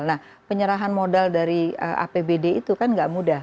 nah penyerahan modal dari apbd itu kan nggak mudah